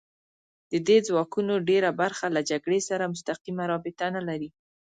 د دې ځواکونو ډېره برخه له جګړې سره مستقیمه رابطه نه لري